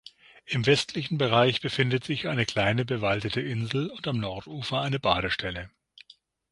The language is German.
Im westlichen Bereich befindet sich eine kleine bewaldete Insel und am Nordufer eine Badestelle.